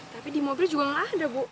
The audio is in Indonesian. tapi di mobil juga nggak ada bu